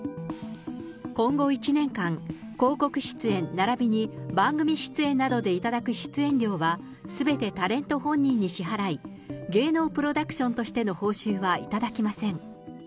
今後１年間、広告出演、ならびに番組出演などで頂く出演料はすべてタレント本人に支払い、芸能プロダクションとしての報酬は頂きません。